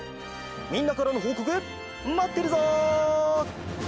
みんなからのほうこくまってるぞ！